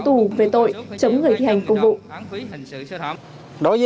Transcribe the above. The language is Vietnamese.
tù về tội chống người thi hành công vụ